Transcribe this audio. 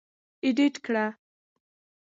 اېډېټ کړ.